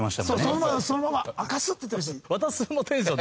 そうそのまま「あかす」って言ってほしい。